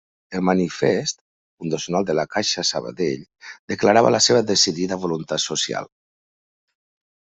El manifest fundacional de Caixa Sabadell declarava la seva decidida voluntat social.